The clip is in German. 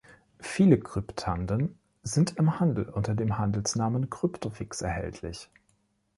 Viele Kryptanden sind im Handel unter dem Handelsnamen Kryptofix erhältlich.